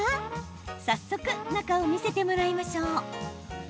早速、中を見せてもらいましょう。